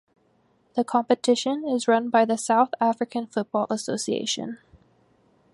The competition is run by the South African Football Association.